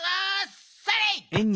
それ！